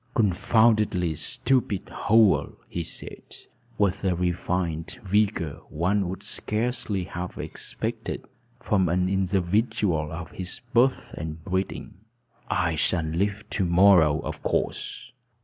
"Confoundedly stupid hole!" he said with a refined vigor one would scarcely have expected from an individual of his birth and breeding. "I shall leave to morrow, of course.